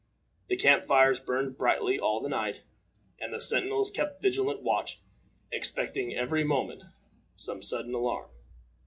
The camp fires burned brightly all the night, and the sentinels kept vigilant watch, expecting every moment some sudden alarm.